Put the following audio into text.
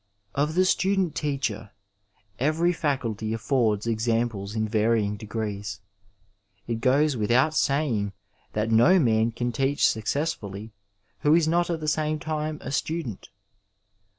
Of the student Uaeher every faculty affords examples in varying degrees, [t goes without saying that no man can teach successfully who is not at the same time a student.